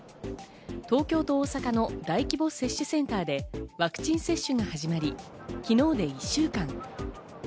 東京と大阪の大規模接種センターでワクチン接種が始まり昨日で１週間。